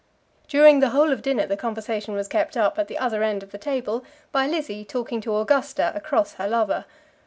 During the whole of the dinner the conversation was kept up at the other end of the table by Lizzie talking to Augusta across her lover.